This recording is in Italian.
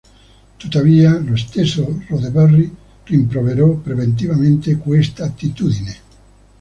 Tuttavia, lo stesso Roddenberry rimproverò preventivamente questa attitudine.